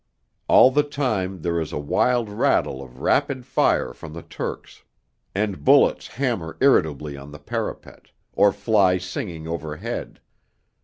All the time there is a wild rattle of rapid fire from the Turks, and bullets hammer irritably on the parapet, or fly singing overhead.